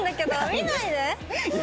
見ないで。